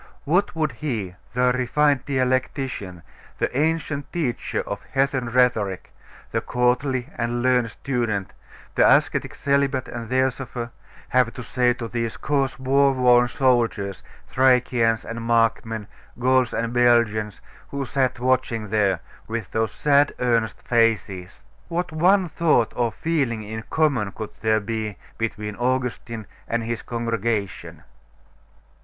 What would he, the refined dialectician, the ancient teacher of heathen rhetoric, the courtly and learned student, the ascetic celibate and theosopher, have to say to those coarse war worn soldiers, Thracians and Markmen, Gauls and Belgians, who sat watching there, with those sad earnest faces? What one thought or feeling in common could there be between Augustine and his congregation?